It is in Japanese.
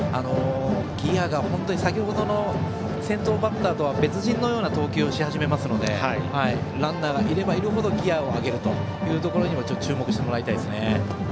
先程の先頭バッターとは別人のような投球をし始めますのでランナーがいればいるほどギヤを上げるところにも注目してもらいたいです。